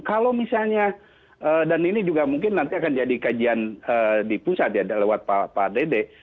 kalau misalnya dan ini juga mungkin nanti akan jadi kajian di pusat ya lewat pak dede